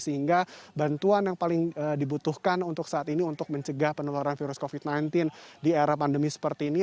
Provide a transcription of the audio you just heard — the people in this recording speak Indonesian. sehingga bantuan yang paling dibutuhkan untuk saat ini untuk mencegah penularan virus covid sembilan belas di era pandemi seperti ini